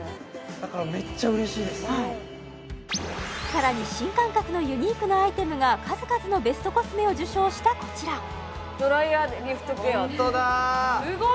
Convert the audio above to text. だからさらに新感覚のユニークなアイテムが数々のベストコスメを受賞したこちらホントだすごい！